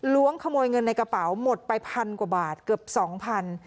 ขโมยเงินในกระเป๋าหมดไปพันกว่าบาทเกือบ๒๐๐บาท